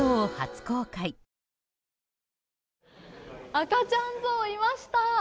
赤ちゃんゾウ、いました。